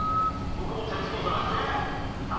僕も徹子さんで３２回。